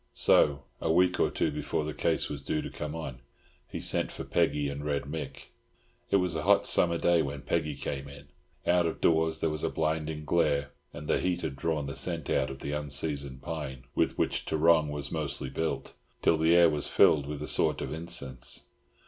So, a week or two before the case was due to come on, he sent for Peggy and Red Mick. It was a hot summer day when Peggy came in. Out of doors there was a blinding glare, and the heat had drawn the scent out of the unseasoned pine with which Tarrong was mostly built, till the air was filled with a sort of incense.